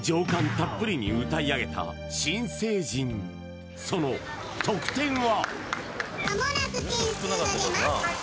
たっぷりに歌い上げた新成人その得点は？